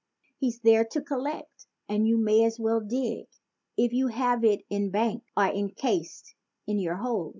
He's there to collect and you may as well "dig" If you have it in bank or encased in your hose.